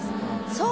そう。